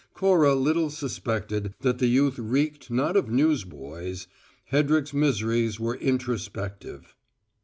Cora little suspected that the youth reeked not of newsboys: Hedrick's miseries were introspective.